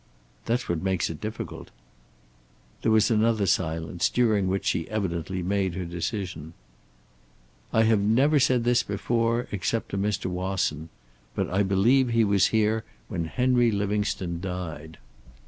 "That's what makes it difficult." There was another silence, during which she evidently made her decision. "I have never said this before, except to Mr. Wasson. But I believe he was here when Henry Livingstone died."